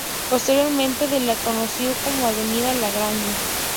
Posteriormente de la conoció como Avenida Larrañaga.